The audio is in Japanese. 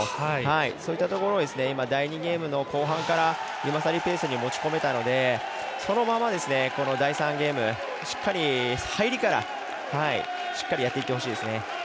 そういったところを今、第２ゲームの後半からユマサリペースに持ち込めたので、そのまま第３ゲーム、入りからしっかりやっていってほしいです。